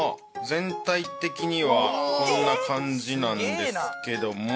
全体的にはこんな感じなんですけども。